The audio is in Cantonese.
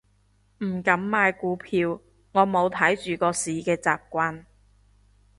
唔敢買股票，我冇睇住個市嘅習慣